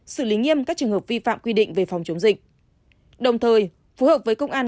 xử lý nghiêm các trường hợp vi phạm quy định về phòng chống dịch đồng thời phối hợp với công an